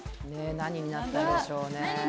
何になったんでしょう。